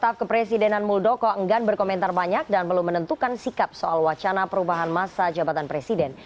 staf kepresidenan muldoko enggan berkomentar banyak dan belum menentukan sikap soal wacana perubahan masa jabatan presiden